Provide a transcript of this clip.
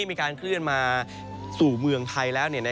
มีการเคลื่อนมาสู่เมืองไทยแล้ว